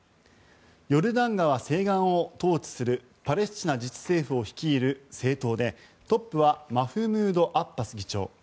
ヨルダン川西岸を統治するパレスチナ自治政府を率いる政党でトップはマフムード・アッバス議長。